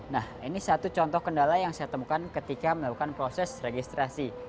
nah ini satu contoh kendala yang saya temukan ketika melakukan proses registrasi